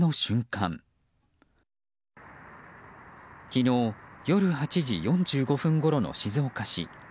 昨日夜８時４５分ごろの静岡市。